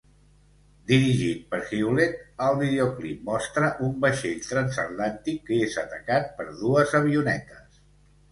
Dirigit per Hewlett, el videoclip mostra un vaixell transatlàntic que és atacat per dues avionetes.